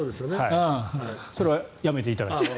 それはやめていただきたい。